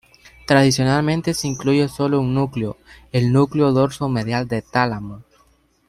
Tradicionalmente se incluye solo un núcleo, el núcleo dorso medial del tálamo.